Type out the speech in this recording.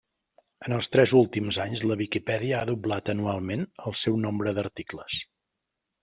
En els tres últims anys la Viquipèdia ha doblat anualment el seu nombre d'articles.